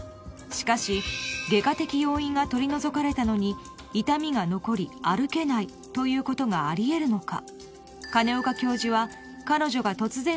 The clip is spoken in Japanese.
しかし外科的要因が取り除かれたのに痛みが残り歩けないということがありえるのか？